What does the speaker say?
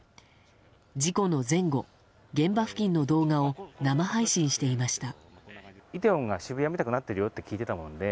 事故の前後、現場付近の動画を生配信していました。